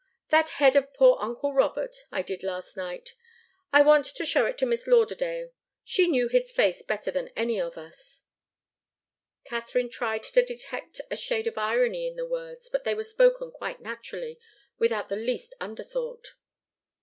That head of poor uncle Robert, I did last night. I want to show it to Miss Lauderdale she knew his face better than any of us." Katharine tried to detect a shade of irony in the words; but they were spoken quite naturally, without the least underthought.